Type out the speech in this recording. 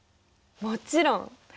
もちろん。